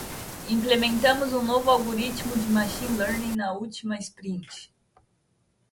Implementamos um novo algoritmo de machine learning na última sprint.